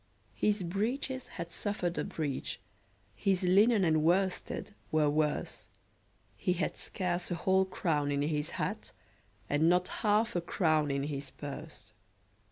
His breeches had suffered a breach, His linen and worsted were worse; He had scarce a whole crown in his hat, And not half a crown in his purse.